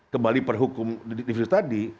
kembali perhukum di video tadi